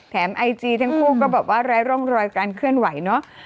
ไอจีทั้งคู่ก็บอกว่าไร้ร่องรอยการเคลื่อนไหวเนอะ